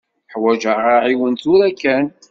Ḥwaǧeɣ aɛiwen tura kan.